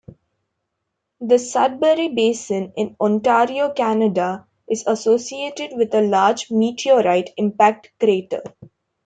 The Sudbury Basin in Ontario, Canada, is associated with a large meteorite impact crater.